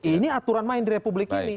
ini aturan main di republik ini